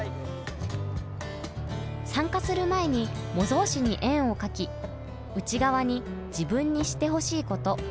参加する前に模造紙に円を描き内側に「自分にしてほしいこと」